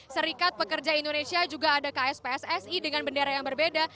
serikat pekerja indonesia juga ada kspssi dengan bendera yang berbeda